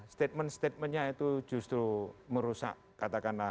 statement statementnya itu justru merusak katakanlah